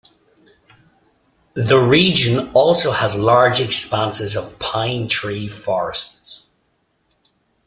The region also has large expanses of pine tree forests.